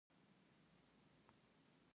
باسواده نجونې د هنر په برخه کې وړتیا ښيي.